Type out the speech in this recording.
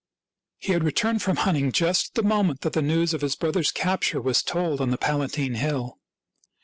He had returned from hunting just at the moment that the news of his brother's capture was told on the Palatine Hill.